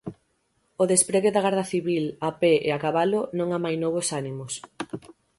O despregue da Garda Civil, a pé e a cabalo, non amainou os ánimos.